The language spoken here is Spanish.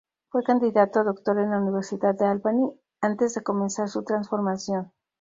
Fue candidato a doctor en la Universidad de Albany antes de comenzar su transformación.